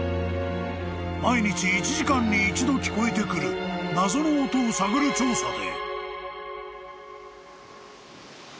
［毎日１時間に一度聞こえてくる謎の音を探る調査で］